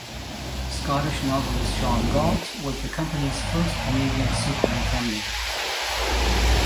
Scottish novelist John Galt was the company's first Canadian superintendent.